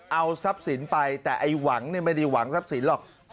เอาซับสินไปแต่ไอ้หวังนี่ไม่ได้หวังซับสินหรอก